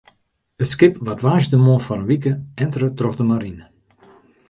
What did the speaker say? It skip waard woansdeitemoarn foar in wike entere troch de marine.